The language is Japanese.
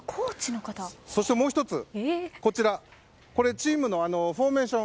そしてもう１つチームのフォーメーション。